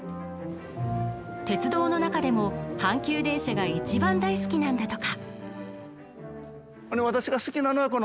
鉄道の中でも阪急電車が一番大好きなんだとか。